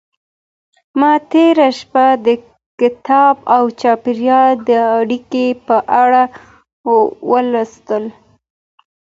ما تېره شپه د کتاب او چاپېريال د اړيکې په اړه ولوستل.